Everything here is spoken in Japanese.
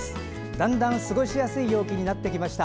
だんだん過ごしやすい陽気になってきました。